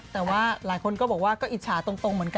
แต่ว่าหลายคนก็บอกว่าก็อิจฉาตรงเหมือนกัน